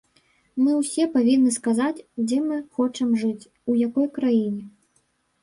Мы ўсе павінны сказаць, дзе мы хочам жыць, у якой краіне.